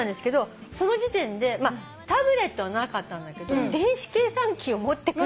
その時点でタブレットはなかったんだけど電子計算機を持ってくる。